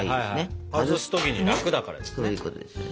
外す時に楽だからですね。